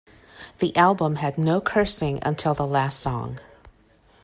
The album had no cursing until the last song.